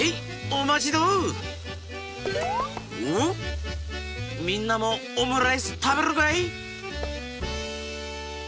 おみんなもオムライスたべるかい？